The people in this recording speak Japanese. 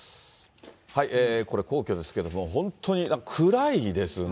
これ皇居ですけれども、本当に暗いですね、